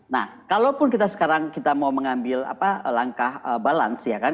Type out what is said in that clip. nah kalaupun kita sekarang kita mau mengambil langkah balance ya kan